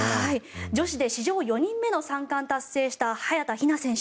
女子で史上４人目の３冠達成した早田ひな選手。